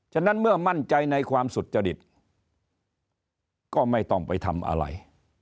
ฉะนั้นเมื่อมั่นใจในความสุจริตก็ไม่ต้องไปทำอะไร